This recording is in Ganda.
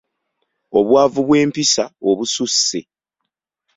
Obwavu bw’empisa obususse.